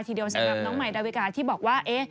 ทีเดียวสำหรับน้องใหม่ดาวิกาที่บอกว่า